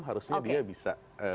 harusnya dia bisa